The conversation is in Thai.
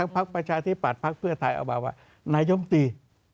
นายย่อมตี